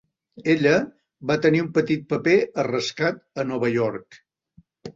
Ella va tenir un petit paper a "Rescat a Nova York".